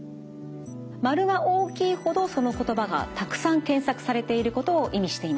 丸が大きいほどその言葉がたくさん検索されていることを意味しています。